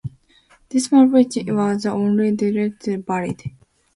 This marriage was the only one declared valid.